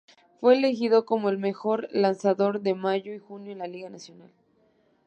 Fue elegido como el mejor lanzador de mayo y junio en la Liga Nacional.